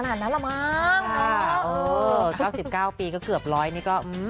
บดลูกบวชหลานกี่ตอนแล้วกัน